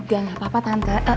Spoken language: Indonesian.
gak apa apa tante